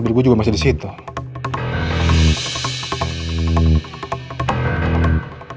satu kali geheng untuk turned andrea